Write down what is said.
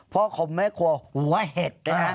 พ่อคมแม่คัวหัวเห็ดนะ